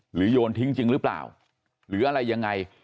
โยนทิ้งจริงหรือเปล่าหรืออะไรยังไง